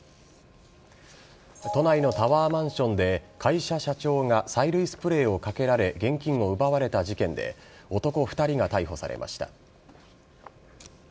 都内のタワーマンションで会社社長が催涙スプレーをかけられ現金を奪われた事件で男２人が逮捕されました。